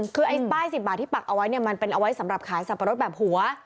คือไอ้ป้าย๑๐บาทที่ปักเอาไว้เนี่ยมันเป็นเอาไว้สำหรับขายสับปะรดแบบหัว